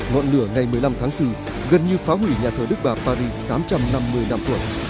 ngọn lửa ngày một mươi năm tháng bốn gần như phá hủy nhà thờ đức bà paris tám trăm năm mươi năm tuổi